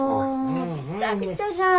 びちゃびちゃじゃん。